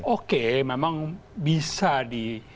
oke memang bisa di